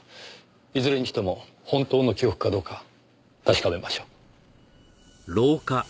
いずれにしても本当の記憶かどうか確かめましょう。